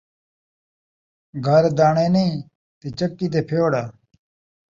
گھر داݨے نئیں تے چکی تے پھئوڑا